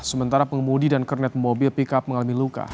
sementara pengemudi dan kernet mobil pickup mengalami luka